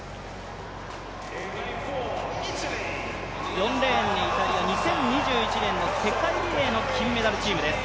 ４レーンにイタリア２０２１年の世界リレーの金メダルチームです。